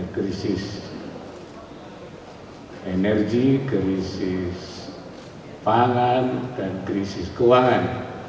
krisis energi krisis pangan dan krisis keuangan